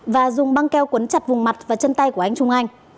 và dùng băng keo quấn chặt vùng mặt và chân tay của anh trung anh